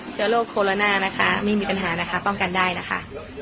เชื้อโรคโคโรนานะคะไม่มีปัญหานะคะป้องกันได้นะคะ